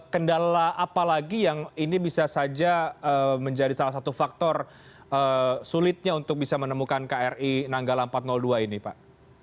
kendala apa lagi yang ini bisa saja menjadi salah satu faktor sulitnya untuk bisa menemukan kri nanggala empat ratus dua ini pak